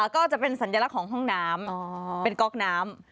ก็จะเป็นสัญลักษณ์ของห้องน้ำเป็นก๊อกน้ำ